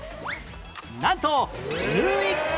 なんと１１個！